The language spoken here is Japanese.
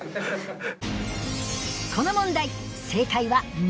この問題正解は「○」